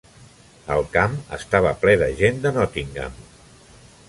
El camp estava ple de gent de Nottingham.